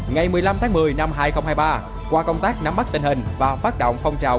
ngày một mươi năm tháng một mươi năm hai nghìn hai mươi ba qua công tác nắm bắt tình hình và phát động phong trào